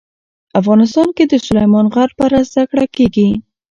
افغانستان کې د سلیمان غر په اړه زده کړه کېږي.